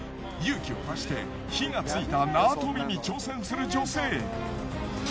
勇気を出して火がついた縄跳びに挑戦する女性。